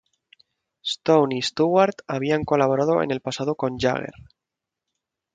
Stone y Stewart habían colaborado en el pasado con Jagger.